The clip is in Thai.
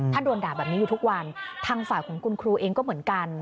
ถ้าโดนด่าแบบนี้อยู่ทุกวันทางฝ่ายของคุณครูเองก็เหมือนกัน